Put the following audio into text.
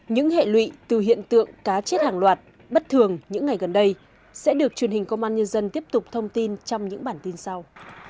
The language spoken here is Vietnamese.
những hệ lụy từ hiện tượng cá chết hàng loạt bất thường những ngày gần đây sẽ được truyền hình công an nhân dân tiếp tục thông tin trong những bản tin sau